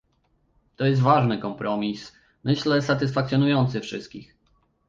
To jest ważny kompromis, myślę, satysfakcjonujący wszystkich